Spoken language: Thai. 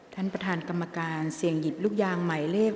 ท่านประธานกรรมการเสี่ยงหยิบลูกยางหมายเลข